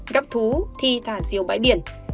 gắp thú thi thả diều bãi biển